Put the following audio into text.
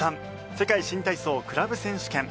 世界新体操クラブ選手権。